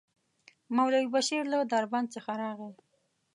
مولوي بشير له دربند څخه راغی.